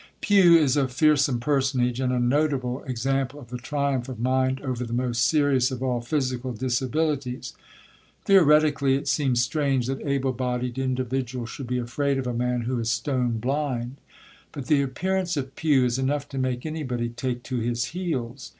Pew is a fearsome personage, and a notable example of the triumph of mind over the most serious of all physical disabilities. Theoretically, it seems strange that able bodied individuals should be afraid of a man who is stone blind. But the appearance of Pew is enough to make anybody take to his heels.